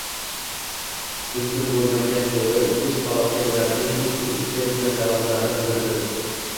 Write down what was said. Mumkin bo‘lmagan joydan o'tish falokatlarning eng ko‘p uchraydigan sabablardan biridir.